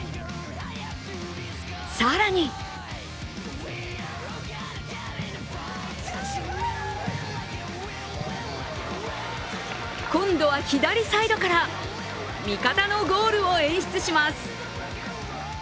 更に今度は左サイドから味方のゴールを演出します。